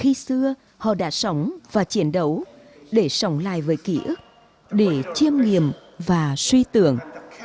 họ tìm về những vùng đất khi xưa họ đã sống và chiến đấu để sống lại với kỷ ức để chiêm nghiệm và suy tưởng